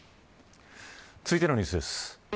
続いてのニュースです。